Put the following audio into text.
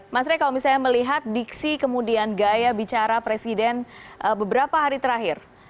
mas rey kalau misalnya melihat diksi kemudian gaya bicara presiden beberapa hari terakhir